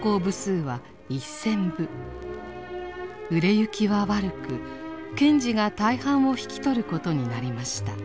売れ行きは悪く賢治が大半を引き取ることになりました。